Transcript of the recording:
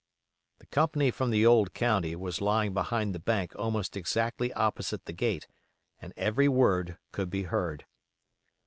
The company from the old county was lying behind the bank almost exactly opposite the gate, and every word could be heard.